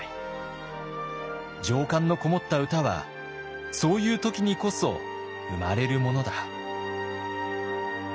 情感のこもった歌はそういう時にこそ生まれるものだ」。